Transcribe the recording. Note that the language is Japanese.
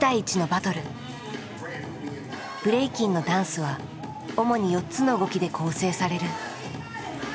ブレイキンのダンスは主に４つの動きで構成される。